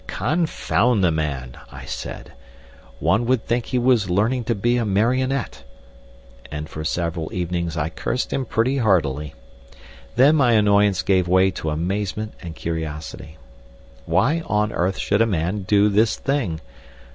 "Confound the man," I said, "one would think he was learning to be a marionette!" and for several evenings I cursed him pretty heartily. Then my annoyance gave way to amazement and curiosity. Why on earth should a man do this thing?